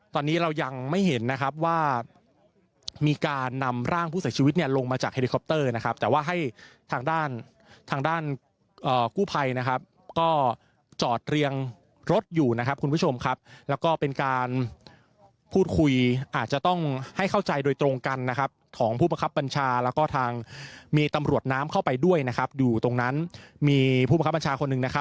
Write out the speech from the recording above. ตอนนี้เรายังไม่เห็นนะครับว่ามีการนำร่างผู้เสียชีวิตเนี่ยลงมาจากเฮลิคอปเตอร์นะครับแต่ว่าให้ทางด้านทางด้านกู้ภัยนะครับก็จอดเรียงรถอยู่นะครับคุณผู้ชมครับแล้วก็เป็นการพูดคุยอาจจะต้องให้เข้าใจโดยตรงกันนะครับของผู้ประคับบัญชาแล้วก็ทางมีตำรวจน้ำเข้าไปด้วยนะครับอยู่ตรงนั้นมีผู้บังคับบัญชาคนหนึ่งนะครับ